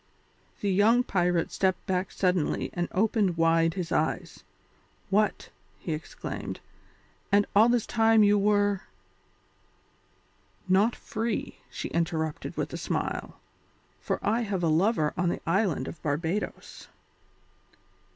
The young pirate stepped back suddenly and opened wide his eyes. "What!" he exclaimed, "and all the time you were " "Not free," she interrupted with a smile, "for I have a lover on the island of Barbadoes."